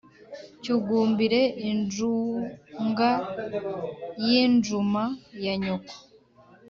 cyugumbire injunga y'injuma ya nyoko